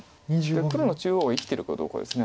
黒の中央が生きてるかどうかです